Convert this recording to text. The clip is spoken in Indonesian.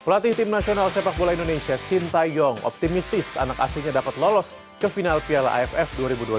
pelatih tim nasional sepak bola indonesia shin taeyong optimistis anak aslinya dapat lolos ke final plaff dua ribu dua puluh dua